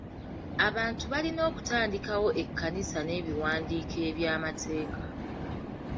Abantu balina okutandikawo ekkanisa n'ebiwandiiko eby'amateeka.